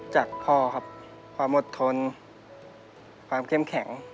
จากพ่อครับความอดทนความเข้มแข็ง